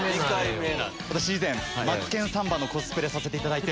以前『マツケンサンバ』コスプレさせていただいて。